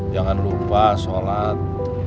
jangan lupa sholat